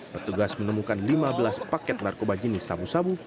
petugas menemukan lima belas paket narkoba jenis sabu sabu